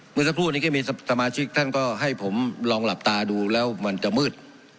เมื่อสักครู่นี้ก็มีสมาชิกท่านก็ให้ผมลองหลับตาดูแล้วมันจะมืด